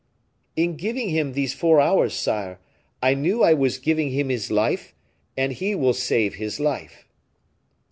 "In giving him these four hours, sire, I knew I was giving him his life, and he will save his life."